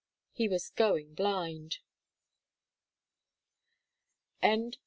He was going blind.